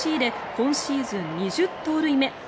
今シーズン２０盗塁目。